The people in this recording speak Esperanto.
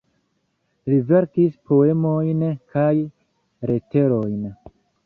Li verkis poemojn kaj leterojn.